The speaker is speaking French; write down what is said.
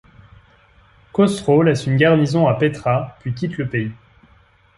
Khosro laisse une garnison à Petra puis quitte le pays.